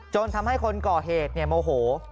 จนทำให้คนก่อเหตุเนี่ยโมโห